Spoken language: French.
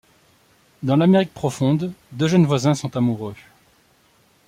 Dans l'Amérique profonde, deux jeunes voisins sont amoureux.